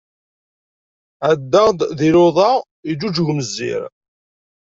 Ɛeddaɣ-d d luḍa, yeǧǧuǧeg umezzir.